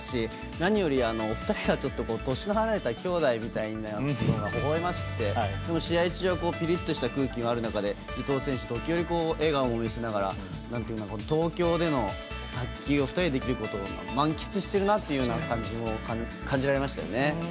何より年の離れた兄妹みたいでほほ笑ましくて試合中はピリッとした空気がある中で伊藤選手、時折笑顔を見せながら東京での卓球を２人でできることを満喫してるなって感じられましたよね。